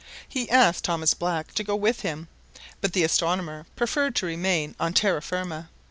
He asked Thomas Black to go with him, but the astronomer preferred to remain on terra firma.